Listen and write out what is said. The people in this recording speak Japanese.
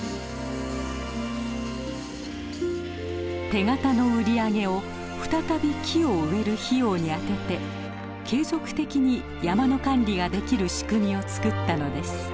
手形の売り上げを再び木を植える費用に充てて継続的に山の管理ができる仕組みを作ったのです。